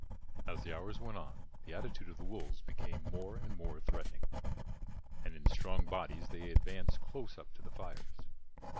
As the hours went on the attitude of the wolves became more and more threatening, and in strong bodies they advanced close up to the fires.